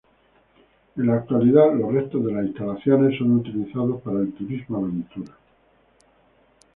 En la actualidad, los restos de las instalaciones son utilizados para el turismo aventura.